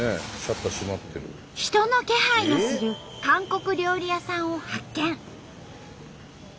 人の気配のする韓国料理屋さんを発見。